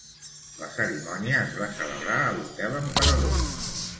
La cerimònia es va celebrar a l'Hotel Emperador.